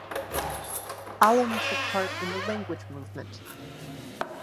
Alam took part in the Language Movement.